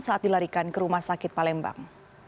saat dilarikan ke rumah sakit palembang